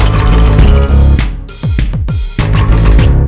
kamu mau ke kantor